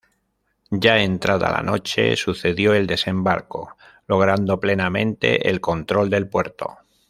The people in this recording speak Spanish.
Ya entrada la noche, sucedió el desembarco, logrando plenamente el control del puerto.